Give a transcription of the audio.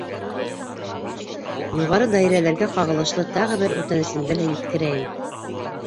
Юғары даирәләргә ҡағылышлы тағы бер үтенесемде лә еткерәйем.